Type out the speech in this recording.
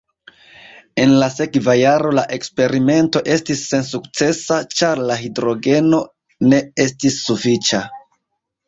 En la sekva jaro la eksperimento estis sensukcesa, ĉar la hidrogeno ne estis sufiĉa.